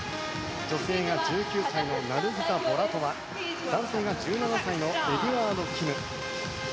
女性が１９歳のナルギザ・ボラトワ男性が１７歳のエデュアード・キム。